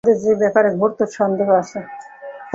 আমার সে ব্যাপারে ঘোরতর সন্দেহ আছে।